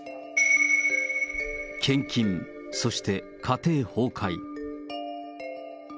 献金、そして家庭崩壊。